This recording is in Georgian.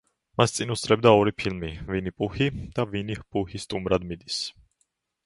მას წინ უსწრებდა ორი ფილმი, „ვინი პუჰი“ და „ვინი პუჰი სტუმრად მიდის“.